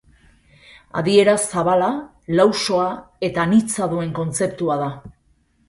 Adiera zabala, lausoa eta anitza duen kontzeptua da.